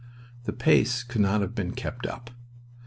The pace could not have been kept up.